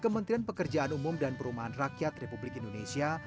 kementerian pekerjaan umum dan perumahan rakyat republik indonesia